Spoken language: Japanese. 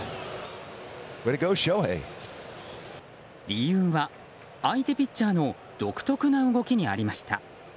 理由は相手ピッチャーの独特な動きにありました。